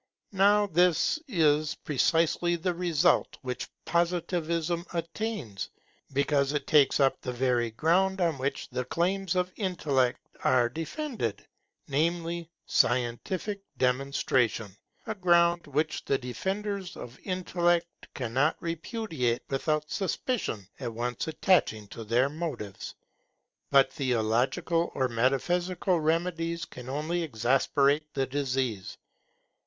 Now this is precisely the result which Positivism attains, because it takes up the very ground on which the claims of intellect are defended, namely, scientific demonstration, a ground which the defenders of intellect cannot repudiate without suspicion at once attaching to their motives. But theological or metaphysical remedies can only exasperate the disease.